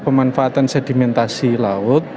pemanfaatan sedimentasi laut